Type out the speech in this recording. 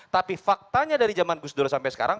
tapi faktanya dari zaman gus dur sampai sekarang